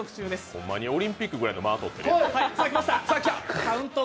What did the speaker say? ほんまにオリンピックぐらいの間取ってる。